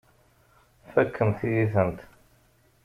Tfakemt-iyi-tent.